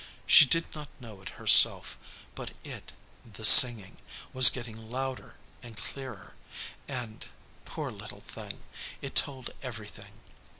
She did not know it herself, but it the singing was getting louder and clearer, and, poor little thing, it told everything.